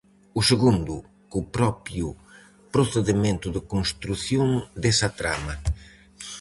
O segundo, co propio procedemento de construción desa trama.